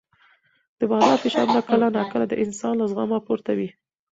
د بازار فشارونه کله ناکله د انسان له زغمه پورته وي.